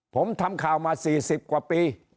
ผมทำข่าวมา๔๐กว่าปี